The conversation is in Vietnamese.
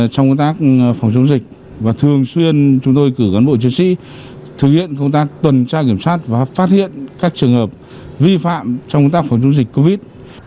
trong công tác phòng chống dịch và thường xuyên chúng tôi cử cán bộ chiến sĩ thực hiện công tác tuần tra kiểm soát và phát hiện các trường hợp vi phạm trong tác phẩm chống dịch covid